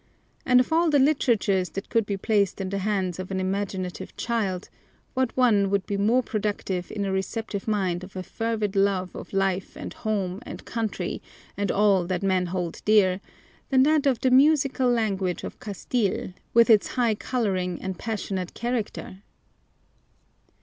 And of all the literatures that could be placed in the hands of an imaginative child, what one would be more productive in a receptive mind of a fervid love of life and home and country and all that men hold dear, than that of the musical language of Castile, with its high coloring and passionate character?